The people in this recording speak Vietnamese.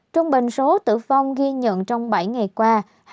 trung bình số tử vong ghi nhận trong bảy ngày qua